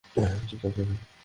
চুপ থাক, কেভিন!